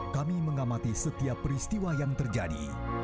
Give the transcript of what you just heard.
kami mengamati setiap peristiwa yang terjadi